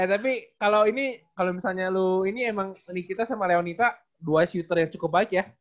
eh tapi kalo ini kalo misalnya lo ini emang nikita sama leonita dua shooter yang cukup aja